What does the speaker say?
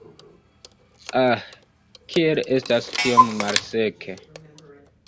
Ah, kiel estas tiom malseke!